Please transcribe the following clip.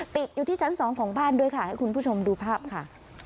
ติดอยู่ที่ชั้นสองของบ้านด้วยค่ะให้คุณผู้ชมดูภาพค่ะ